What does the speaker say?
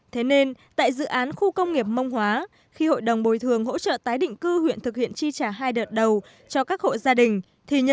thế nên tại dự án khu công nghiệp mông hóa khi hội đồng bồi thường hỗ trợ tái định cư huyện thực hiện chi trả hai đợt đầu cho các hộ gia đình